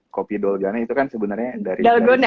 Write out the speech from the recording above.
copy dalgona itu kan sebenarnya dari